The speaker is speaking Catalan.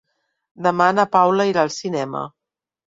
Demà na Paula irà al cinema.